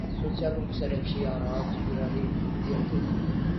სოციალურ ქსელებში არა აქვს პირადი გვერდები.